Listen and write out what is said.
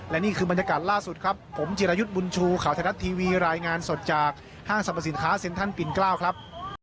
และนี่คือบรรยากาศล่าสุดครับผมจิรายุทธ์บุญชูข่าวไทยรัฐทีวีรายงานสดจากห้างสรรพสินค้าเซ็นทรัลปินเกล้าครับ